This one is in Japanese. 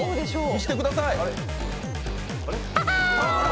見せてください！